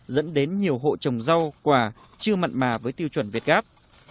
dẫn đến nhiều hộ trồng rau quà chưa mặn mà với tiêu chuẩn việt gap